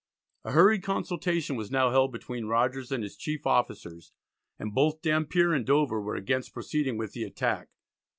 A hurried consultation was now held between Rogers and his chief officers, and both Dampier and Dover were against proceeding with the attack.